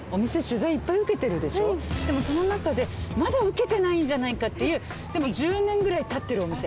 でもその中でまだ受けてないんじゃないかっていうでも１０年ぐらいたってるお店。